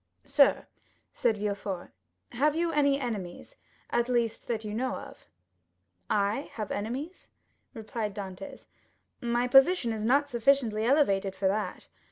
"Sir," said Villefort, "have you any enemies, at least, that you know." "I have enemies?" replied Dantès; "my position is not sufficiently elevated for that.